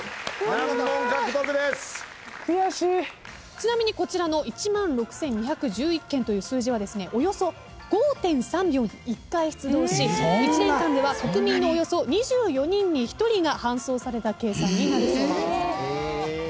ちなみにこちらの１６，２１１件という数字はおよそ５．３秒に１回出動し１年間では国民のおよそ２４人に１人が搬送された計算になるそうなんです。